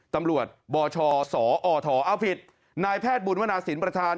ตำรวจบชสอทเอาผิดนายแพทย์บุญวนาศิลปประธาน